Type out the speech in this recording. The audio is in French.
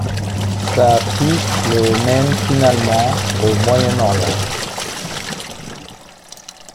Sa piste le mène finalement au Moyen-Orient.